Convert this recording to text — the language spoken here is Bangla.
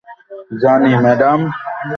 জানি, ম্যাডাম।